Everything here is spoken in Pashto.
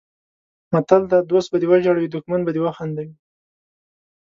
متل دی: دوست به دې وژړوي دښمن به دې وخندوي.